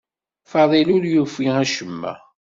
Faḍil ur yufi acemma.